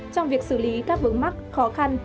trong việc xử lý các vấn mắc khó khăn